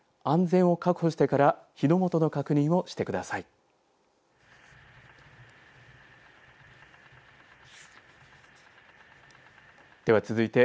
安全を確保してから火の元の確認をしてください。